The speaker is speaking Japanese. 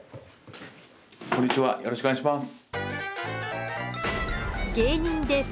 こんにちはよろしくお願いします。